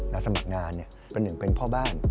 และสมัครงานเป็นหนึ่งเป็นพ่อบ้าน